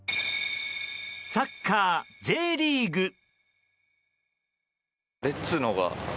サッカー・Ｊリーグ。